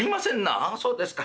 「ああそうですか。